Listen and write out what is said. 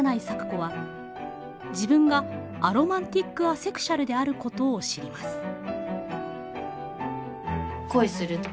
咲子は自分がアロマンティックアセクシュアルであることを知ります。